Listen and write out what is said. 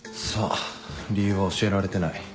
理由は教えられてない。